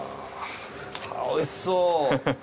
おいしそう。